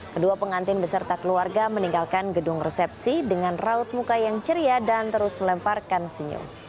kedua pengantin beserta keluarga meninggalkan gedung resepsi dengan raut muka yang ceria dan terus melemparkan senyum